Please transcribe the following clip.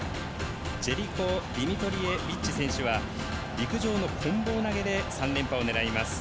ジェリコ・ディミトリエビッチ選手は陸上の、こん棒投げで３連覇を狙います。